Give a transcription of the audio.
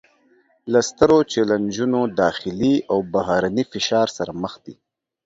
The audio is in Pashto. له سترو چلینجونو داخلي او بهرني فشار سره مخ دي